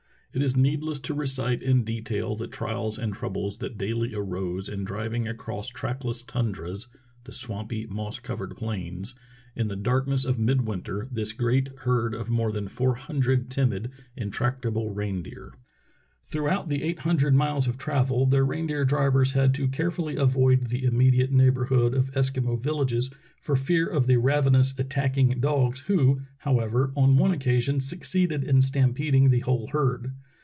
It is needless to recite in detail the trials and troubles that dail}' arose in driving across trackless tundras 288 True Tales of Arctic Heroism (the swampy, moss covered plains), in the darkness of midwinter, this great herd of more than four hun dred timid, intractable reindeer. Throughout the eight hundred miles of travel the reindeer drivers had to carefully avoid the immediate neighborhood of Eskimo villages for fear of the ravenous, attacking dogs, who, however, on one occasion succeeded in stampeding the whole herd.